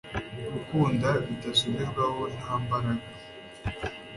gukunda bidasubirwaho nta mbaraga